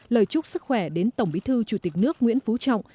lời chúc sức khỏe đến tổng bí thư chủ tịch nước nguyễn phú trọng